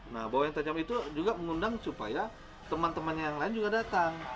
nah bau yang tajam itu juga mengundang supaya teman teman yang lain juga datang